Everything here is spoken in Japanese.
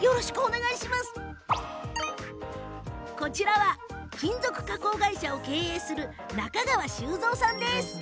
こちらは金属加工会社を経営する中川周三さんです。